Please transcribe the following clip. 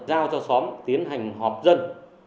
giao cho xóm tiến hành họp dân